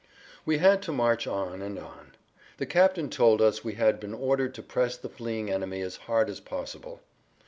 We had to march on and on. The captain told us we had been ordered to press the fleeing enemy as hard as possible.